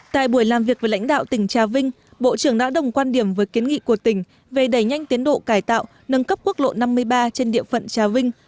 tại buổi làm việc với lãnh đạo tỉnh trà vinh bộ trưởng đã đồng quan điểm với kiến nghị của tỉnh về đẩy nhanh tiến độ cải tạo nâng cấp quốc lộ năm mươi ba trên địa phận trà vinh